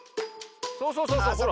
そうそうそうそうほら。